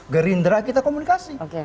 gerindra kita komunikasi